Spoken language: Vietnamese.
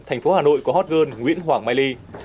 thành phố hà nội có hot girl nguyễn hoàng mai ly